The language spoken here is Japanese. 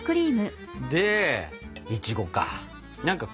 でいちごか。